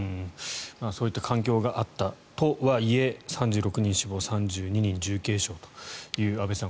そういった環境があったとはいえ３６人死亡３２人重軽傷という安部さん